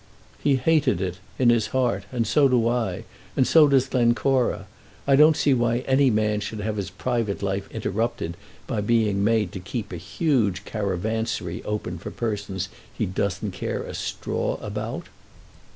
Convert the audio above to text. "He hated it, in his heart. And so do I. And so does Glencora. I don't see why any man should have his private life interrupted by being made to keep a huge caravansary open for persons he doesn't care a straw about."